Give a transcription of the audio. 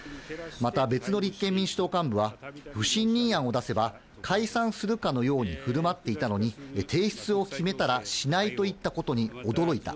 また、別の立憲民主党幹部は、不信任案を出せば解散するかのようにふるまっていたのに、提出を決めたらしないと言ったことに驚いた。